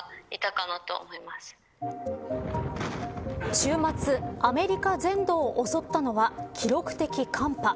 週末アメリカ全土を襲ったのは記録的寒波。